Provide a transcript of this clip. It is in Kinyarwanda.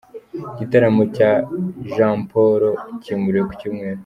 Igitaramo cya Jamporo cyimuriwe ku Cyumweru